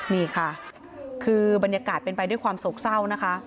นี่ค่ะคือบรรยากาศเป็นไปด้วยความโศกเศร้านะคะ